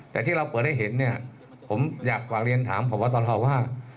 แต่ที่เราเปิดให้เห็นผมอยากฝากเรียนถามของพศธวร์ว่า